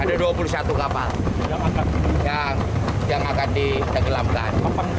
ada dua puluh satu kapal yang akan ditenggelamkan